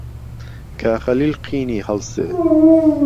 کا خهلیل قینی ههڵسێ